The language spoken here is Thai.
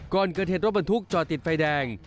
ก่อนเกิดเหตุรถบรรทุกจอดติดไฟแดง